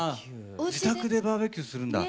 自宅でバーベキューするんだ。